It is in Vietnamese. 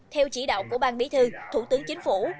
theo chỉ đạo của ban bí thư thủ tướng chính phủ